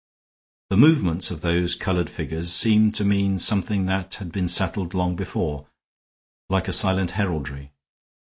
The movements of those colored figures seemed to mean something that had been settled long before, like a silent heraldry.